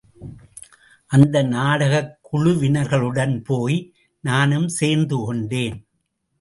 அந்த நாடகக் குழுவினர்களுடன் போய் நானும் சேர்ந்துகொண்டேன்.